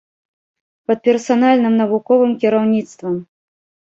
Пад персанальным навуковым кіраўніцтвам!